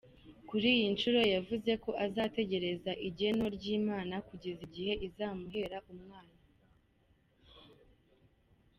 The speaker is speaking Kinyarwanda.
Kuri iyi nshuro yavuze ko azategereza igeno ry’Imana kugeza igihe izamuhera umwana.